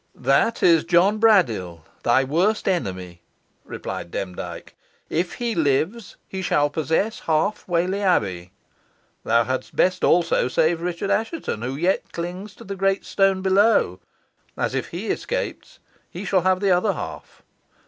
"That is John Braddyll, thy worst enemy," replied Demdike. "If he lives he shall possess half Whalley Abbey. Thou hadst best also save Richard Assheton, who yet clings to the great stone below, as if he escapes he shall have the other half.